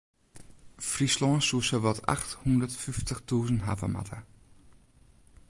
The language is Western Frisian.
Fryslân soe sawat acht hûndert fyftich tûzen hawwe moatte.